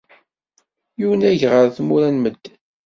Yunag ɣer tmura n medden.